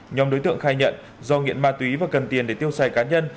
nhóm đối tượng khai nhận do nghiện ma túy và cần tiền để tiêu xài cá nhân